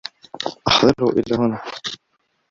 احضره الى هنا.